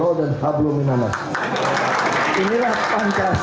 arti dari hablumin allah dan hablumin anas